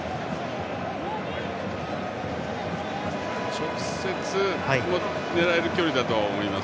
直接狙える距離だとは思います。